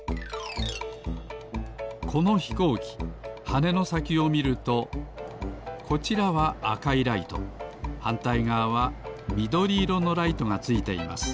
このひこうきはねのさきをみるとこちらはあかいライトはんたいがわはみどり色のライトがついています